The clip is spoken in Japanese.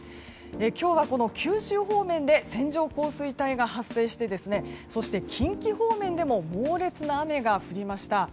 今日は九州方面で線状降水帯が発生してそして、近畿方面でも猛烈な雨が降りました。